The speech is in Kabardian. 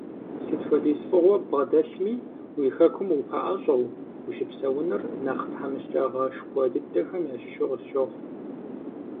Сыт хуэдиз фӀыгъуэ ббгъэдэлъми, уи Хэкум упэӀэщӀэу ущыпсэуныр нэхъ тхьэмыщкӀагъэшхуэ дыдэхэм ящыщу къысщохъу.